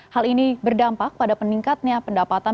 hal ini berdampak pada peningkatnya pendapatan